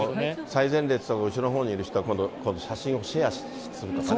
最前列と後ろの方にいる人は写真、シェアするとかね。